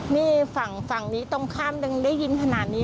นี่ฝั่งฝั่งนี้ตรงข้ามดึงได้ยินขนาดนี้